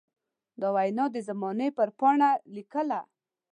دا وينا د زمانې پر پاڼه ليکله.